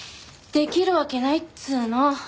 できるわけないっつうの。